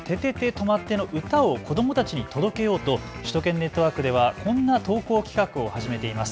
とまって！の歌を子どもたちに届けようと首都圏ネットワークではこんな投稿企画を始めています。